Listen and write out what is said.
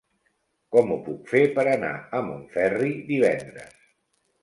Com ho puc fer per anar a Montferri divendres?